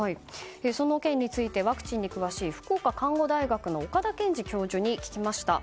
その件についてワクチンに詳しい福岡看護大学の岡田賢司教授に聞きました。